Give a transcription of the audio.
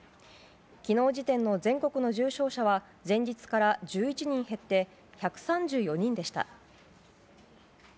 昨日時点の全国の重症者は前日から１１人減って１３４人でした。